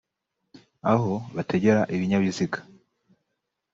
Aho bategera ibinyabiziga